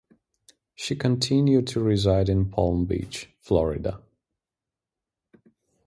She continued to reside in Palm Beach, Florida.